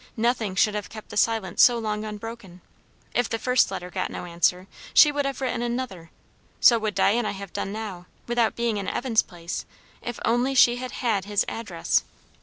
Nothing should have kept the silence so long unbroken; if the first letter got no answer, she would have written another. So would Diana have done now, without being in Evan's place, if only she had had his address.